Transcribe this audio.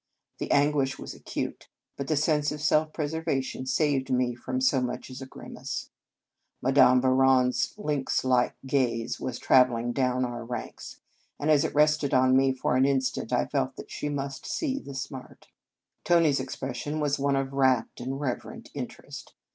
The anguish was acute, but my sense of self preservation saved me from so much as a grimace. Madame Bou = ron s lynx like gaze was travelling down our ranks, and, as it rested on me for an instant, I felt that she must see the smart. Tony s expression was one of rapt and reverent interest.